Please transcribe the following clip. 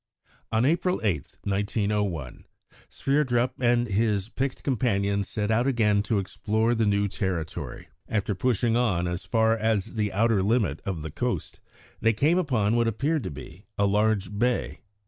On April 8, 1901, Sverdrup and his picked companions set out again to explore the new territory. After pushing on as far as the outer limit of the coast, they came upon what appeared to be a large bay.